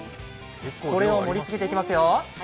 これを盛りつけていきますよ。